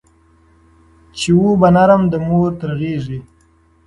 چي وو به نرم د مور تر غېږي